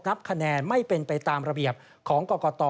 นับคะแนนไม่เป็นไปตามระเบียบของกรกต